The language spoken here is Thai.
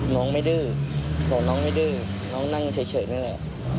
น้องไม่ดื้อบอกน้องไม่ดื้อน้องนั่งเฉยนั่นแหละ